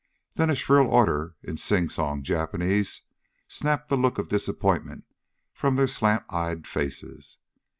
Then a shrill order in sing song Japanese snapped the look of disappointment from their slant eyed faces.